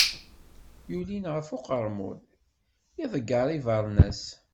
Yulin ɣef uqermud, iḍegger ibernas.